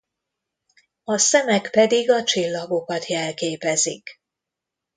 A szemek pedig a csillagokat jelképezik.